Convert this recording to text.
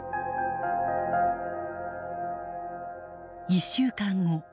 １週間後。